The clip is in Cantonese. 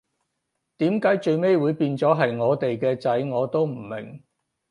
點解最尾會變咗係我哋嘅仔，我都唔明